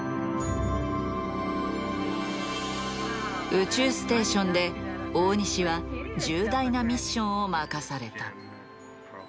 宇宙ステーションで大西は重大なミッションを任された。